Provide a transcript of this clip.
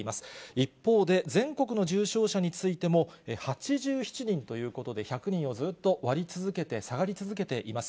一方で、全国の重症者についても８７人ということで、１００人をずっと割り続けて、下がり続けています。